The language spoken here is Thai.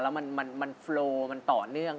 แล้วมันโฟล์มันต่อเนื่อง